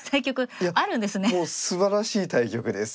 いやもうすばらしい対局です。